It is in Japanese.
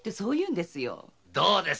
どうです